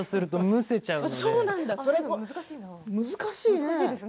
難しいですね。